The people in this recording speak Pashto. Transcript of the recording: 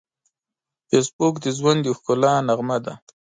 فېسبوک د ژوند د ښکلا نغمه ده